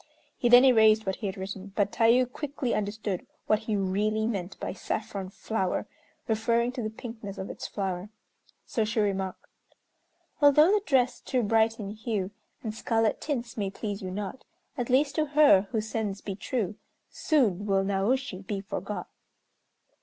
He then erased what he had written, but Tayû quickly understood what he really meant by "saffron flower," referring to the pinkness of its flower, so she remarked: "Although the dress too bright in hue, And scarlet tints may please you not, At least to her, who sends, be true, Soon will Naoshi be forgot."